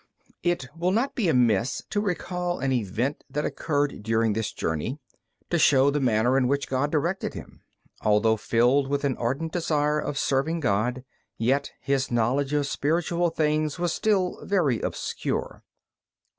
It will not be amiss to recall an event that occurred during this journey, to show the manner in which God directed him. Although filled with an ardent desire of serving God, yet his knowledge of spiritual things was still very obscure.